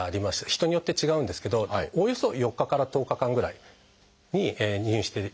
人によって違うんですけどおおよそ４日から１０日間ぐらい入院していただいております。